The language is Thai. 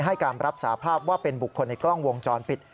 ให้การรับสาภาพว่าเป็นบุคคลในกล้องวงจรปิด